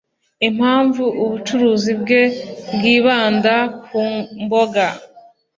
impamvu ubucuruzi bwe bwibanda ku mboga